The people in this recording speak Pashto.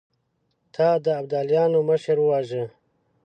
تا د ابداليانو مشر وواژه!